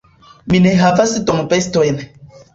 Mi ne havas dombestojn.